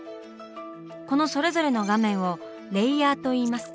このそれぞれの画面を「レイヤー」といいます。